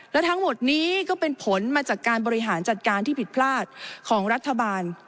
และทั้งหมดนี้ก็เป็นผลมาจากการบริหารจัดการที่ผิดพลาดของรัฐบาล